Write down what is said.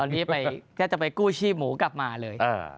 ตอนนี้แทบจะไปกู้ชีพหมูกลับมาเลย